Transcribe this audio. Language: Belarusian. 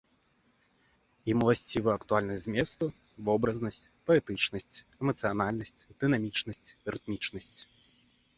Ім уласцівы актуальнасць зместу, вобразнасць, паэтычнасць, эмацыянальнасць, дынамічнасць, рытмічнасць.